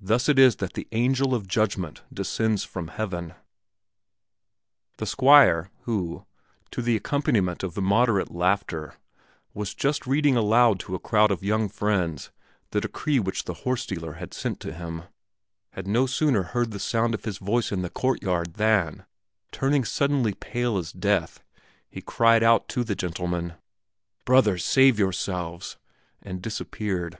Thus it is that the angel of judgment descends from heaven; the Squire, who, to the accompaniment of immoderate laughter, was just reading aloud to a crowd of young friends the decree which the horse dealer had sent to him, had no sooner heard the sound of his voice in the courtyard than, turning suddenly pale as death, he cried out to the gentlemen "Brothers, save yourselves!" and disappeared.